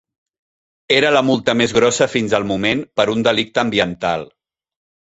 Era la multa més grossa fins al moment per un delicte ambiental.